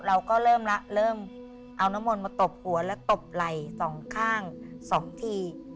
เราก็เริ่มแล้วเริ่มเอาน้ำมนต์มาตบหัวและตบไหล่สองข้างสองที